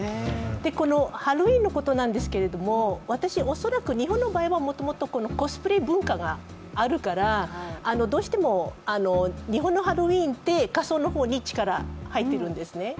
このハロウィーンのことなんですけれども私、恐らく日本の場合はもともとコスプレ文化があるからどうしても日本のハロウィーンって仮装の方に力が入っているんですね。